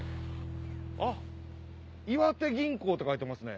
あっ「岩手銀行」って書いてますね。